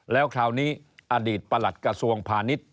แล้วคราวนี้อดีตประหลัดกระทรวงพาณิชย์